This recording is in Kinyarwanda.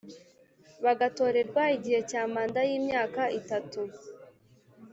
bagatorerwa igihe cya manda y imyaka itatu